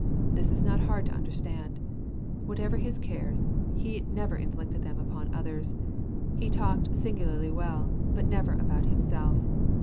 This is not hard to understand. Whatever his cares, he never inflicted them upon others. He talked singularly well, but never about himself.